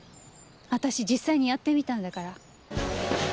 私実際にやってみたんだから。